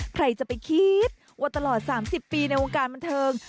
ใครจะไปคิดว่าตลอด๓๐ปีในวงการบันเทิง